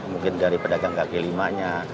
mungkin dari pedagang kaki lima nya